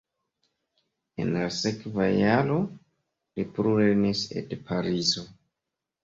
En la sekva jaro li plulernis en Parizo.